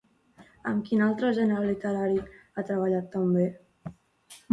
Amb quin altre gènere literari ha treballat també?